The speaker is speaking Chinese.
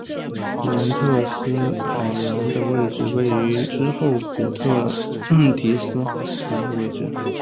原特提斯洋的位置相当于之后古特提斯洋的位置。